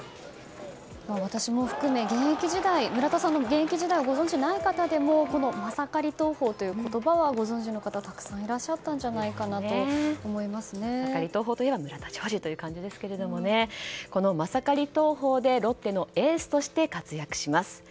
私も含め村田さんの現役時代をご存じない方でもマサカリ投法という言葉はご存じの方たくさんいらっしゃったんじゃマサカリ投法といえば村田兆治という感じですがマサカリ投法でロッテのエースとして活躍します。